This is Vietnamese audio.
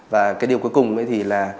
và cái điều cuối cùng thì là